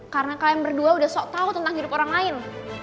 karena kalian berdua udah sok tau tentang hidup orang lain